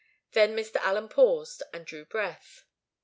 Then Mr. Allen paused, and drew breath.